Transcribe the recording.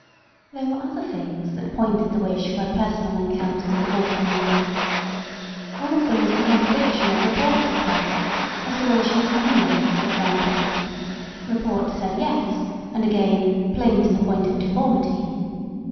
There were other things that pointed the wish for a personal encoimter with the Walking Woman. One of them was the contradiction of reports of her — ^as to whether she was comely, for example. Report said yes, and again, plain to the point of deformity.